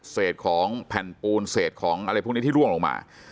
เศษของแผ่นปูนเศษของอะไรพวกนี้ที่ร่วงลงมา